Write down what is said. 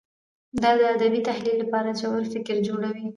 دا د ادبي تحلیل لپاره ژور فکر جوړوي.